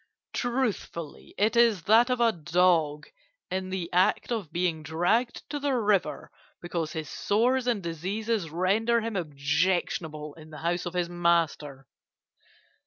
Truthfully, it is that of a dog in the act of being dragged to the river because his sores and diseases render him objectionable in the house of his master.